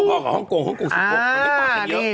ฮังกงฮังกง๑๖ปีนี้ตายกันเยอะ